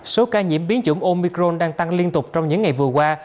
số ca nhiễm biến chủng omicron đang tăng liên tục trong những ngày vừa qua